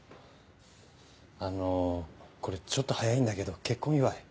あのこれちょっと早いんだけど結婚祝い。